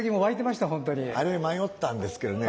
あれ迷ったんですけどね。